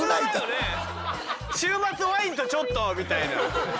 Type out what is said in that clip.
週末ワインとちょっとみたいな。